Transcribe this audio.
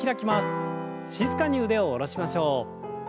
静かに腕を下ろしましょう。